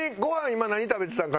今何食べてたん？